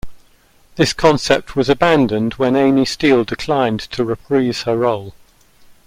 This concept was abandoned when Amy Steel declined to reprise her role.